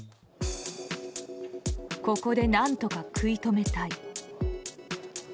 ここで何とか食い止めたい。